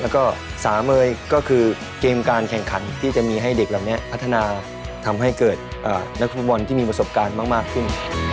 ๓เกมการแข่งขันที่จะมีให้เด็กเหล่านี้พัฒนาทำให้เกิดนักฟุตบอลที่มีประสบการณ์มากขึ้น